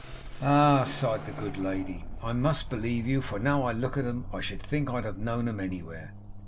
'Ah!' sighed the good lady, 'I must believe you, for now I look at 'em I think I should have known 'em anywhere.